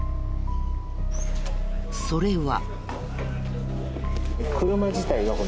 それは。